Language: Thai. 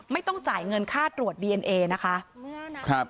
ไม่ต้องจ่ายเงินค่าตรวจดีเอนเอนะคะ